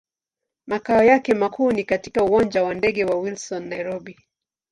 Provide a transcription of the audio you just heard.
Makao yake makuu ni katika Uwanja wa ndege wa Wilson, Nairobi.